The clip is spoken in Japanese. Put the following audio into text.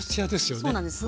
そうなんです。